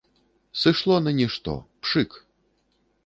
Сышло на нішто, пшык!